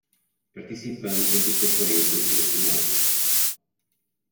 Participando de conferência internacional